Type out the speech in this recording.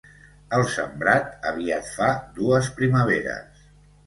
El sembrat aviat fa dues primaveres.